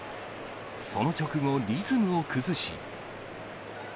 その直後、リズムを崩し。